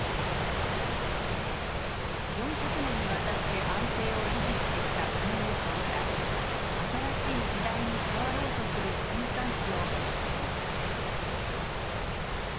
４００年にわたって安定を維持してきた漢王朝から新しい時代に変わろうとする転換期を生きていました。